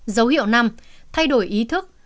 dấu hiệu năm thay đổi ý thức